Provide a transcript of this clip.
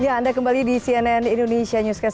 ya anda kembali di cnn indonesia newscast